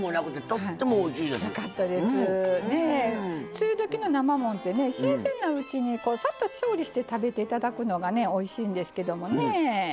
梅雨時の生もんってね新鮮なうちにサッと調理して食べて頂くのがねおいしいんですけどもね。